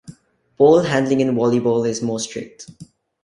Ball handling in Wallyball is more strict.